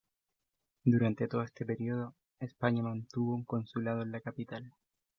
Durante todo este periodo, España mantuvo un consulado en la capital.